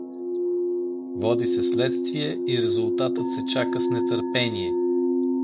Води се следствие и резултатът се чака с нетърпение.